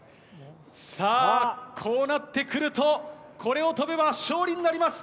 さあ、こうなってくると、これを跳べば勝利になります。